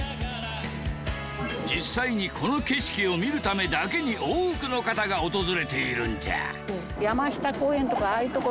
実際にこの景色を見るためだけに多くの方が訪れているんじゃ。